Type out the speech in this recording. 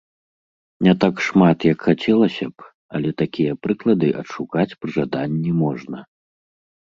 Не так шмат, як хацелася б, але такія прыклады адшукаць пры жаданні можна.